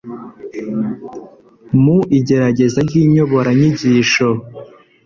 mu igerageza ry inyoboranyigisho